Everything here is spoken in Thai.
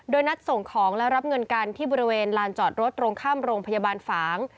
โดยนัดส่งของและรับเงินกันที่บริเวณลานจอดรถตรงข้ามโรงพยาบาลฝาง